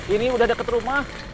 ini udah deket rumah